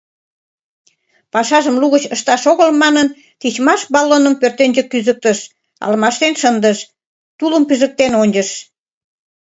Пашажым лугыч ышташ огыл манын, тичмаш баллоным пӧртӧнчык кӱзыктыш, алмаштен шындыш. тулым пижыктен ончыш.